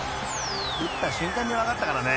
［打った瞬間に分かったからね］